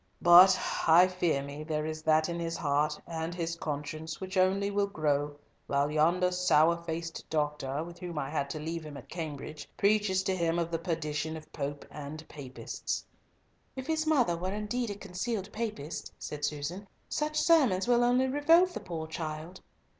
"But I fear me there is that in his heart and his conscience which will only grow, while yonder sour faced doctor, with whom I had to leave him at Cambridge, preaches to him of the perdition of Pope and Papists." "If his mother were indeed a concealed Papist," said Susan, "such sermons will only revolt the poor child."